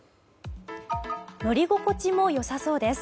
乗り心地も良さそうです。